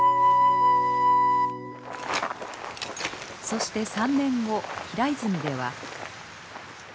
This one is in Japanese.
そして３年後平泉では。